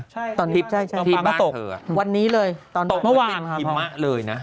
ใช่ตอนที่บ้านเธอตกเมื่อวานค่ะพ่อใช่ตกเยอะมากมันเป็นเหมือนหิมะเลยนะ